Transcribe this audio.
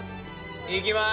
いきます！